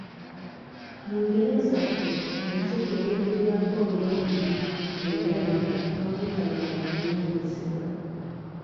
Mu ngero zaffe, ezzike ly’ogerwako ng’ebbi mu ndabika n'obutaba na buvunaanyizibwa.